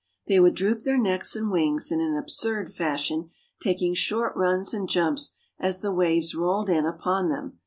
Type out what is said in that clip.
They would droop their necks and wings in an absurd fashion, taking short runs and jumps as the waves rolled in upon them.